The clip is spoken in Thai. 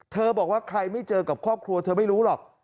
บอกว่าใครไม่เจอกับครอบครัวเธอไม่รู้หรอก